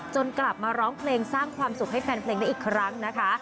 กลับมาร้องเพลงสร้างความสุขให้แฟนเพลงได้อีกครั้งนะคะ